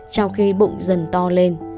trong khi bụng dần to lên